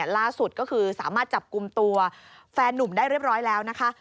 ล่าสุดก็คือสามารถจับกลุ่มตัวแฟนนุ่มได้เรียบร้อยแล้วนะคะ